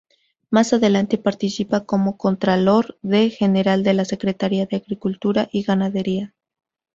Más adelante participa como Contralor de General de la Secretaria de Agricultura y Ganadería.